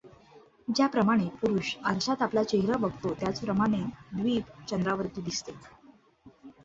ज्याप्रमाणे पुरुष आरशात आपला चेहरा बघतो, त्याचप्रमाणे हे द्वीप चंद्रावरती दिसते.